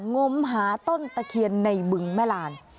งมหาต้นตะเคียนในบึงแม่ลาน